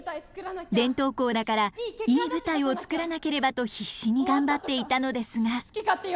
伝統校だからいい舞台を作らなければと必死に頑張っていたのですが。